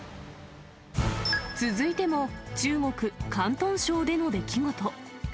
続いても、中国・広東省での出来事。